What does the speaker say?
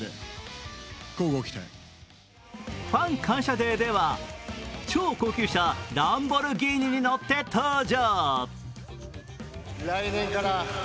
デーでは、超高級車ランボルギーニに乗って登場。